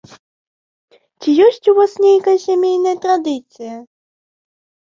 Ці ёсць у вас нейкая сямейная традыцыя?